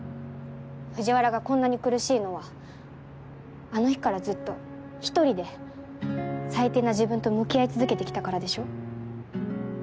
藤原がこんなに苦しいのはあの日からずっと一人で最低な自分と向き合い続けてきたからでしょ？